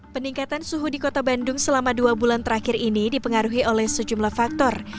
peningkatan suhu di kota bandung selama dua bulan terakhir ini dipengaruhi oleh sejumlah faktor